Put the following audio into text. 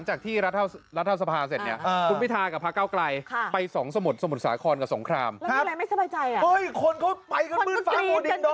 เฮ้ยคนเขาไปกันมืดฟ้าหมดดิงด้อม